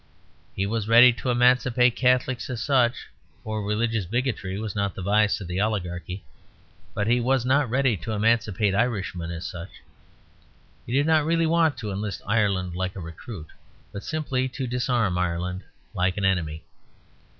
He was ready to emancipate Catholics as such, for religious bigotry was not the vice of the oligarchy; but he was not ready to emancipate Irishmen as such. He did not really want to enlist Ireland like a recruit, but simply to disarm Ireland like an enemy.